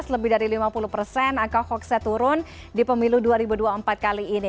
lebih dari lima puluh persen angka hoaxnya turun di pemilu dua ribu dua puluh empat kali ini